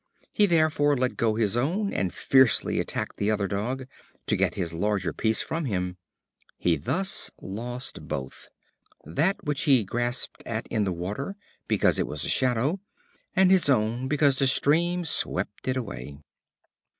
He therefore let go his own, and fiercely attacked the other Dog, to get his larger piece from him. He thus lost both that which he grasped at in the water, because it was a shadow and his own, because the stream swept it away.